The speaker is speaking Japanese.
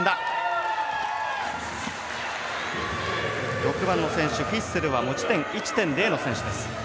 ６番の選手、フィッセルは持ち点１．０の選手です。